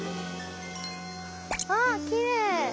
あきれい！